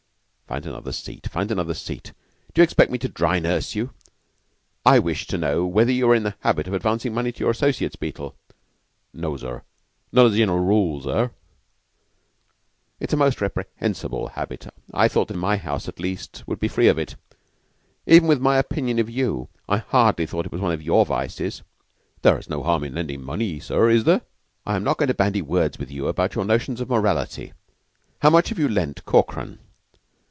"Find another seat find another seat. D'you expect me to dry nurse you? I wish to know whether you are in the habit of advancing money to your associates, Beetle?" "No, sir; not as a general rule, sir." "It is a most reprehensible habit. I thought that my house, at least, would be free from it. Even with my opinion of you, I hardly thought it was one of your vices." "There's no harm in lending money, sir, is there?" "I am not going to bandy words with you on your notions of morality. How much have you lent Corkran?"